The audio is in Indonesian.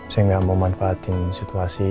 saya nggak mau manfaatin situasi